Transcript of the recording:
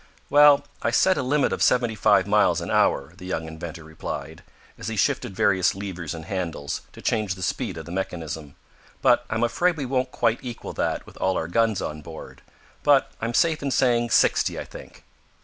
"Well, I set a limit of seventy five miles an hour," the young inventor replied, as he shifted various levers and handles, to change the speed of the mechanism. "But I'm afraid we won't quite equal that with all our guns on board. But I'm safe in saying sixty, I think."